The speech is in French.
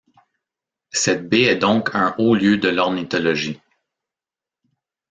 Cette baie est donc un haut lieu de l’ornithologie.